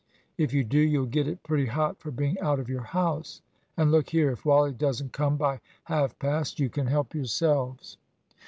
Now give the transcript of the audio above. If you do, you'll get it pretty hot for being out of your house. And look here, if Wally doesn't come by half past, you can help yourselves."